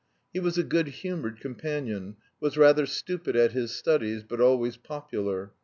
He was a good humoured companion, was rather stupid at his studies, but always popular.